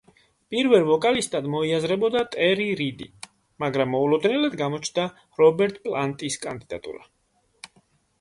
პირველ ვოკალისტად მოიაზრებოდა ტერი რიდი, მაგრამ მოულოდნელად გამოჩნდა რობერტ პლანტის კანდიდატურა.